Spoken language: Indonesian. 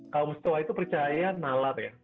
kaum stoa itu percaya nalar ya